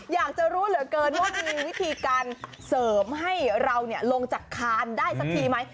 อยากจะรู้เหลือเกินว่ามีวิธีการเสริมให้เราลงจากคานได้สักทีไหม